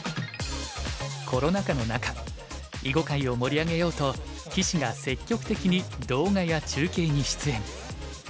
コロナ禍の中囲碁界を盛り上げようと棋士が積極的に動画や中継に出演。